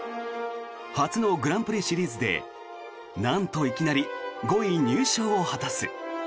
初のグランプリシリーズでなんといきなり５位入賞を果たす。